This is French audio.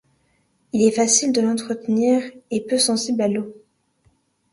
Il est facile de l'entretenir et peu sensible à l’eau.